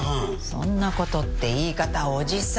「そんな事」って言い方おじさん！